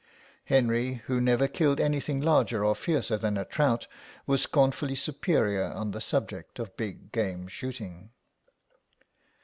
Henry, who never killed anything larger or fiercer than a trout, was scornfully superior on the subject of big game shooting.